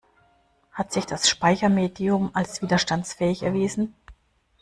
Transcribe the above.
Hat sich das Speichermedium als widerstandsfähig erwiesen?